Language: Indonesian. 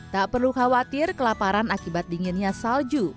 tak perlu khawatir kelaparan akibat dinginnya salju